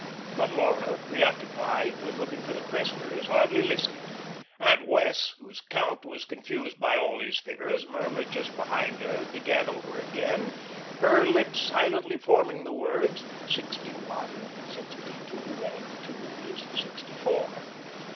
But Laura, preoccupied with looking for the Cresslers, hardly listened. Aunt Wess', whose count was confused by all these figures murmured just behind her, began over again, her lips silently forming the words, "sixty one, sixty two, and two is sixty four."